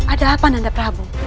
ada apa nanda prabu